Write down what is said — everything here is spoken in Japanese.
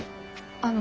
あの。